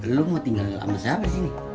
lu mau tinggal sama siapa sih